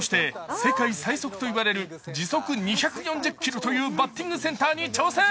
世界最速といわれる時速２４０キロといわれるバッティングセンターに挑戦。